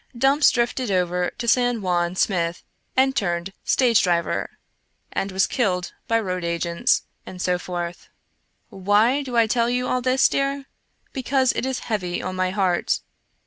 Dumps drifted over to San Juan Smith and turned stage driver, and was killed by road agents, and so forth. Why do I tell you all this, dear? Because it is heavy on my heart.